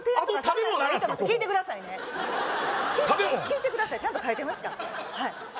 ここ食べ物聞いてくださいちゃんと書いてますか？